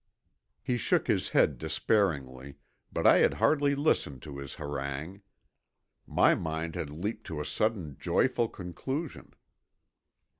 He shook his head despairingly, but I had hardly listened to his harangue. My mind had leaped to a sudden joyful conclusion.